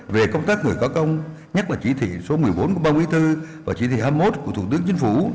về công tác người có công nhắc là chỉ thị số một mươi bốn của ban quý thư và chỉ thị hai mươi một của thủ tướng chính phủ